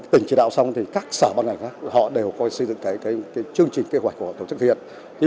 tỉnh chỉ đạo xong thì các sở ban hành khác họ đều coi xây dựng cái chương trình kế hoạch của tổ chức hiện